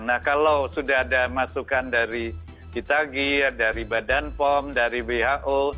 nah kalau sudah ada masukan dari itagir dari badan pom dari who